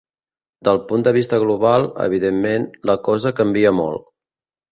Del punt de vista global, evidentment, la cosa canvia molt.